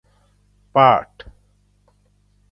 پاۤٹ